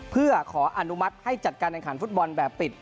เพื่อขออนุมัติให้จัดการแข่งขันฟุตบอลแบบปิด